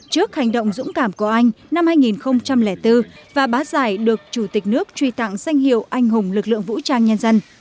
trước hành động dũng cảm của anh năm hai nghìn bốn bá giải được chủ tịch nước truy tặng danh hiệu anh hùng lực lượng vũ trang